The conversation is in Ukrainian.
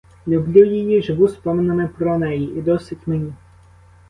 Люблю її, живу споминами про неї — і досить мені.